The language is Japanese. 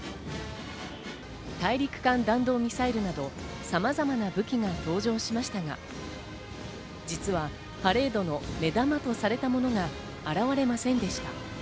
大陸間弾道ミサイルなど、さまざまな武器が登場しましたが、実はパレードの目玉とされたものが現れませんでした。